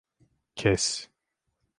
Kes.